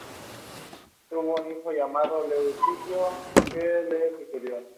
Tuvo un hijo llamado Leucipo, que le sucedió.